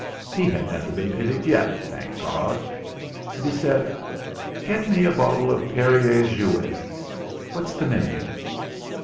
He had never been pitied yet thank God! And he said: "Get me up a bottle of Perrier Jouet. What's the menu?"